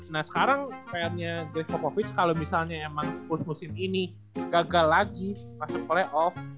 nah sekarang pr nya grevovic kalau misalnya emang spurs musim ini gagal lagi masuk playoff